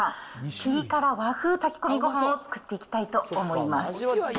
ピリ辛和風炊き込みご飯を作っていきたいと思います。